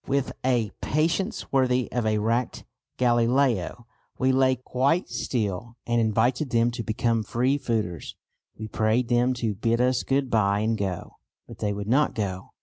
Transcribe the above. With a patience worthy of a racked Galileo we lay quite still and invited them to become "free fooders." We prayed them to "bid us good bye and go." But they would not go.